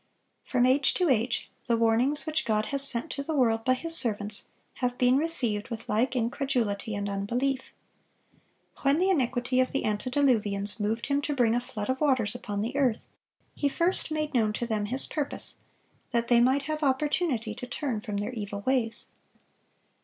(563) From age to age the warnings which God has sent to the world by His servants have been received with like incredulity and unbelief. When the iniquity of the antediluvians moved Him to bring a flood of waters upon the earth, He first made known to them His purpose, that they might have opportunity to turn from their evil ways.